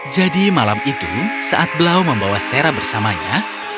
jadi malam itu saat blau membawa sarah bersamanya